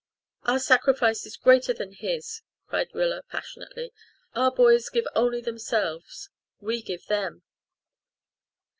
"Our sacrifice is greater than his," cried Rilla passionately. "Our boys give only themselves. We give them."